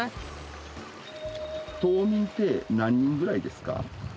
島民って何人ぐらいですか？